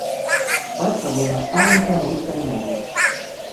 Бацька быў настаўнікам рускай мовы.